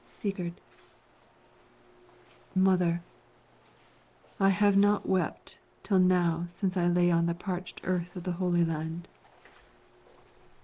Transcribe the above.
Sigurd Mother, I have not wept till now since I lay upon the parched earth of the Holy Land.